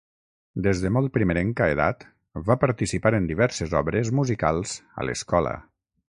Des de molt primerenca edat, va participar en diverses obres musicals a l'escola.